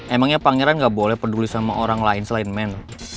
emangnya pangeran gak boleh peduli sama orang lain selain men